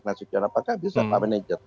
apakah bisa pak manager